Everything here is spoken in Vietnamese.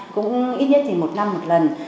cũng ít nhất thì một năm một lần